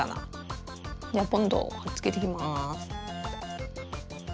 じゃあボンドをはっつけていきます。